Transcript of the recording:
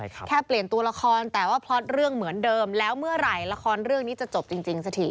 แค่เปลี่ยนตัวละครแต่ว่าพล็อตเรื่องเหมือนเดิมแล้วเมื่อไหร่ละครเรื่องนี้จะจบจริงจริงสักที